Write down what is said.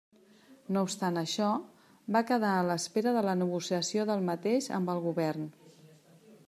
No obstant això, va quedar a l'espera de la negociació del mateix amb el govern.